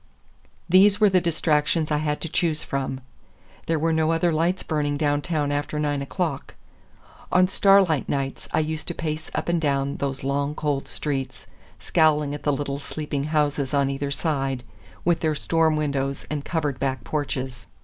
These were the distractions I had to choose from. There were no other lights burning downtown after nine o'clock. On starlight nights I used to pace up and down those long, cold streets, scowling at the little, sleeping houses on either side, with their storm windows and covered back porches.